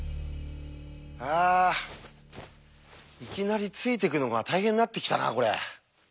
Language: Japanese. あいきなりついていくのが大変になってきたなこれ。